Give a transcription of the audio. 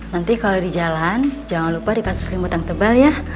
nanti kalau di jalan jangan lupa dikasih selimut yang tebal ya